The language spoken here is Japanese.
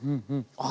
あっ！